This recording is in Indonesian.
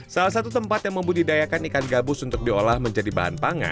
salah satu tempat yang membudidayakan ikan gabus untuk diolah menjadi bahan pangan